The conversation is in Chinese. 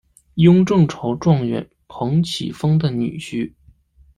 雍正朝状元彭启丰的女婿。